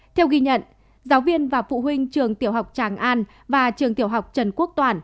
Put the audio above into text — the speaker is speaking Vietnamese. theo ghi nhận giáo viên và phụ huynh trường tiểu học tràng an và trường tiểu học trần quốc toản